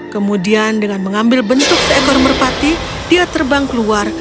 kemudian dengan mengambil bentuk seekor merpati dia terbang keluar